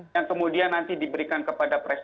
yang kemudian nanti diberikan kepada presiden